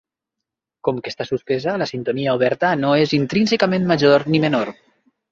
Com que està suspesa, la sintonia oberta no és intrínsecament major ni menor.